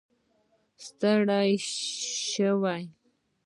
ساه ستړې شوې